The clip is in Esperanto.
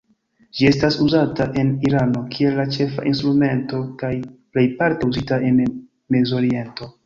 Ĝi estas uzata en Irano kiel la ĉefa instrumento kaj plejparte uzita en Mezoriento.